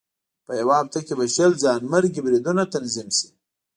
په یوه هفته کې به شل ځانمرګي بریدونه تنظیم شي.